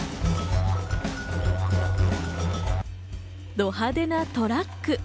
ド派手なトラック。